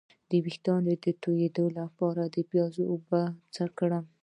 د ویښتو تویدو لپاره د پیاز اوبه څه کړم؟